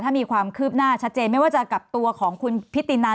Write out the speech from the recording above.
ถ้ามีความคืบหน้าชัดเจนไม่ว่าจะกับตัวของคุณพิตินัน